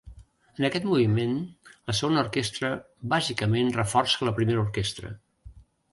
En aquest moviment, la segona orquestra bàsicament reforça la primera orquestra.